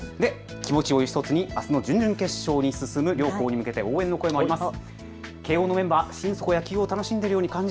気持ちを１つにあすの準々決勝に進む両校に向けて応援の声もあります。